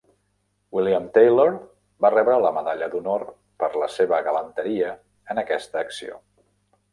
William Taylor va rebre la Medalla d'Honor per la seva galanteria en aquesta acció.